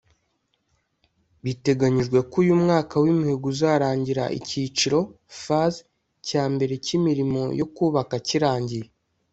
Biteganyijwe ko uyu mwaka w’imihigo uzarangira icyiciro (phase) cya mbere cy’imirimo yo kuyubaka kirangiye